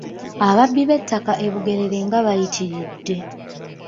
Ababbi b'ettaka e Bugerere nga bayitiridde.